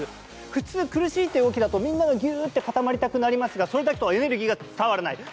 普通、苦しいという動きだとみんながギューッと固まりたくなりますがそれでは伝わらない。